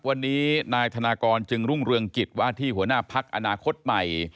วันนี้นายธนากรจึงรุ่งเรืองกิจว่าที่หัวหน้าพักอนาคตใหม่